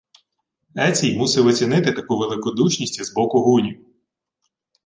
Ецій мусив оцінити таку великодушність із боку гунів.